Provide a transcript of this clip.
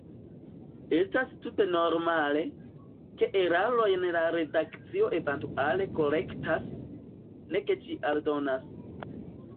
Estas tute normale, ke erarojn la redakcio eventuale korektas, ne ke ĝi aldonas.